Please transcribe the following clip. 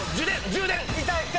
充電。